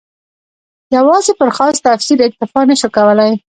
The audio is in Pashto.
یوازې پر خاص تفسیر اکتفا نه شو کولای.